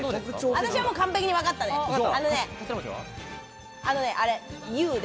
私は完璧にわかったで。